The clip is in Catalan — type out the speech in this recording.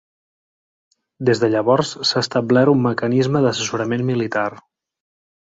Des de llavors, s'ha establert un mecanisme d'assessorament militar.